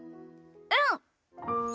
うん！